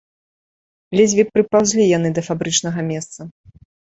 Ледзьве прыпаўзлі яны да фабрычнага месца.